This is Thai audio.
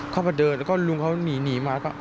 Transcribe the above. เขาไปเดินแล้วก็ลุงเขามีหนีมา